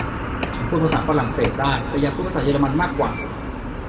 ฉันพูดภาษาฝรั่งเศสได้ แต่อยากพูดภาษาเยอรมันได้มากกว่า